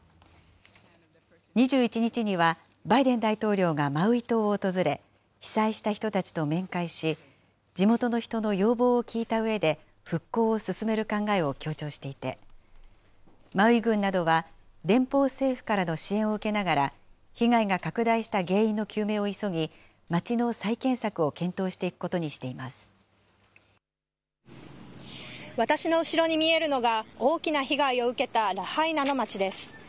２１日には、バイデン大統領がマウイ島を訪れ、被災した人たちと面会し、地元の人の要望を聞いたうえで、復興を進める考えを強調していて、マウイ郡などは連邦政府からの支援を受けながら、被害が拡大した原因の究明を急ぎ、街の再建策を検討していくことに私の後ろに見えるのが、大きな被害を受けたラハイナの街です。